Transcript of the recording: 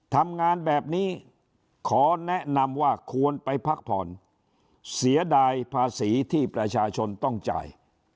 ทำงานแบบนี้ขอแนะนำว่าควรไปพักผ่อนเสียดายภาษีที่ประชาชนต้องจ่าย